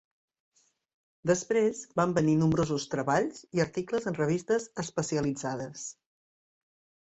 Després, van venir nombrosos treballs i articles en revistes especialitzades.